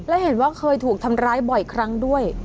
และเห็นว่าเคยถูกทำร้ายบ่อยครั้งด้วย